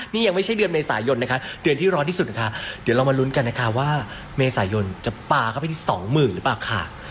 นี่ยังไม่ใช่เดือนเมษายนนะคะเดือนที่ร้อนที่สุดนะคะเดี๋ยวเรามาลุ้นกันนะคะว่าเมษายนจะปลาเข้าไปที่สองหมื่นหรือเปล่าค่ะ